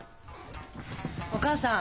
お母さん。